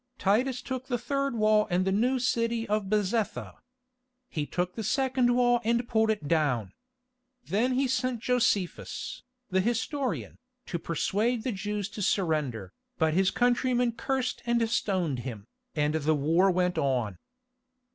Titus took the third wall and the new city of Bezetha. He took the second wall and pulled it down. Then he sent Josephus, the historian, to persuade the Jews to surrender, but his countrymen cursed and stoned him, and the war went on.